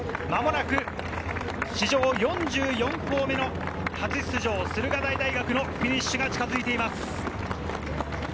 間もなく史上４４校目の初出場、駿河台大学のフィニッシュが近づいています。